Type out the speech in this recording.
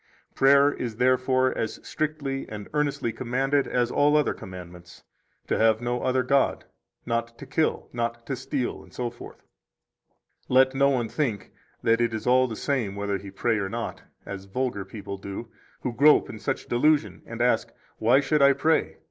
6 Prayer is therefore as strictly and earnestly commanded as all other commandments: to have no other God, not to kill, not to steal, etc. Let no one think that it is all the same whether he pray or not, as vulgar people do, who grope in such delusion and ask, Why should I pray?